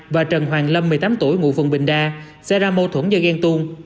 và trần hoàng lâm một mươi tám tuổi ngụ phường bình đa xảy ra mâu thuẫn do ghen tuôn